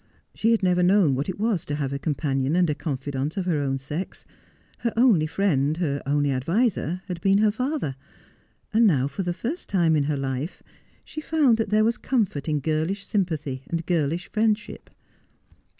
She had never known what it was to have a companion and confidante of her own sex. Her only friend, her only adviser, had been her father. And now, for the first time in her life, she found that there was comfort in girlish sympathy and girlish friendship.